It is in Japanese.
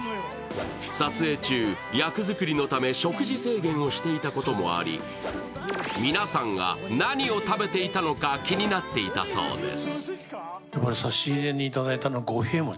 撮影中、役作りのため食事制限をしていたこともあり皆さんが何を食べていたのか気になっていたそうです。